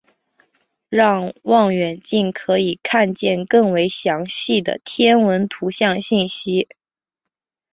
让望远镜可以看见更为详细的天文图像信息。